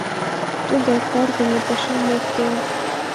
Тудо, каргыме, пашам локтылын.